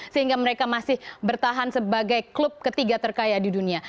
sehingga mereka masih bertahan sebagai klub ketiga terkaya di dunia